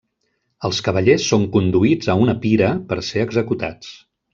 Els cavallers són conduïts a una pira per ser executats.